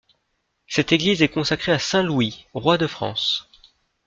Cette église est consacrée à saint Louis, roi de France.